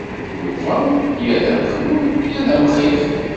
Yuba ya d amexlul, ya d amxix.